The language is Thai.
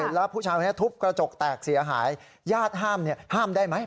แล้วผู้ชายคนนี้ทุบกระจกแตกเสียหายญาติห้ามห้ามได้ไหม